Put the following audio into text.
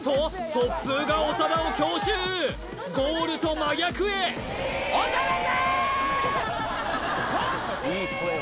突風が長田を強襲ゴールと真逆へ長田さーん！